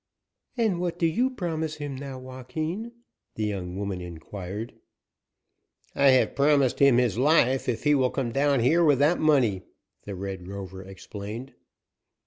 "And what do you promise him now, Joaquin?" the young woman inquired. "I have promised him his life if he will come down here with that money," the Red Rover explained.